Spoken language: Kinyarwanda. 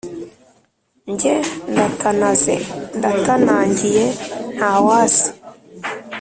Njye ndatanaze ndatanangiye nta wasi